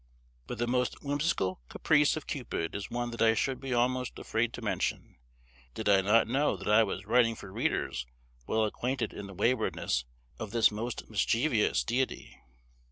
But the most whimsical caprice of Cupid is one that I should be almost afraid to mention, did I not know that I was writing for readers well acquainted in the waywardness of this most mischievous deity.